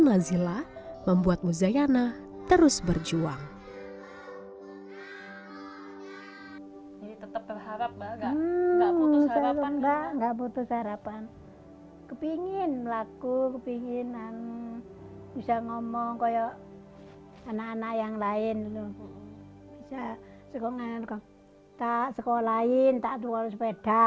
nazila selalu mengalami penyakit tersebut